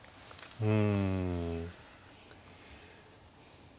うん。